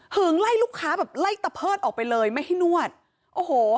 ไล่ลูกค้าแบบไล่ตะเพิดออกไปเลยไม่ให้นวดโอ้โห